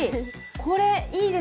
これいいですね。